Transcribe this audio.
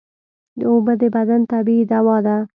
اوبه د بدن طبیعي دوا ده